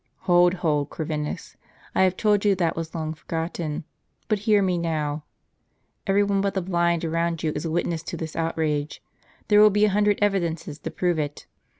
"Hold, hold, Corvinus, I have told you that was long forgotten. But hear me now. Every one but the blind around you is a witness to this outrage. There will be a hundred evidences to prove it.